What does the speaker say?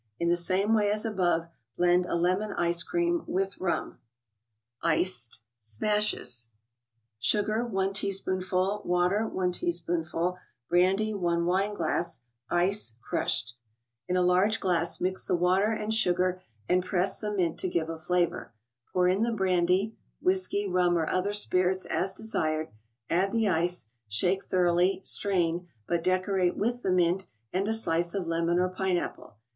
In the same way as above, blend a lemon ice cream with rum. 9Jcet> ^masijesi. i teaspoonful; i teaspoonful; i wineglass; Sugar, Water, Brandy, Ice crushed. In a large glass mix the water and sugar and press some mint to give a flavor. Pour in the brandy (whiskey, rum, or other spirits, as desired), add the ice, shake thoroughly, strain, but decorate with the mint and a slice of lemon or pine apple.